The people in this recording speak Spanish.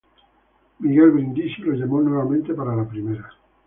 Miguel Brindisi lo llamó nuevamente para la Primera.